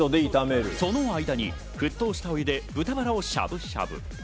その間に沸騰したお湯で豚バラをしゃぶしゃぶ。